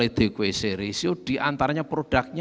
adequacy ratio diantaranya produknya